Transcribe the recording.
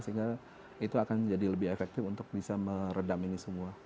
sehingga itu akan jadi lebih efektif untuk bisa meredam ini semua